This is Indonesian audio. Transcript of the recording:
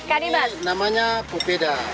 ini namanya pupeda